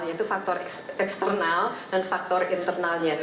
yaitu faktor eksternal dan faktor internalnya